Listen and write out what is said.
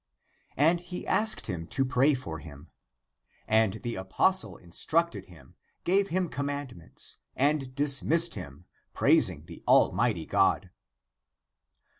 And he asked him to pray for him. x\nd (the apostle) instructed him, gave him commandments, and dis missed him, praising the Almighty God.